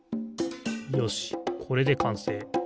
よしこれでかんせい。